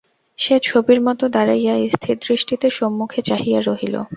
সে ছবির মতো দাঁড়াইয়া স্থিরদৃষ্টিতে সম্মুখে চাহিয়া রহিল।